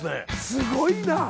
すごいな。